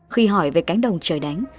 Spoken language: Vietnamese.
khi hỏi về cánh đồng trời đánh